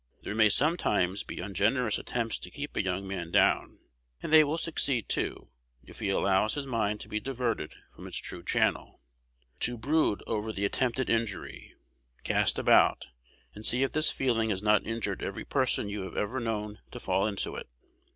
There may sometimes be ungenerous attempts to keep a young man down; and they will succeed, too, if he allows his mind to be diverted from its true channel, to brood over the attempted injury. Cast about, and see if this feeling has not injured every person you have ever known to fall into it.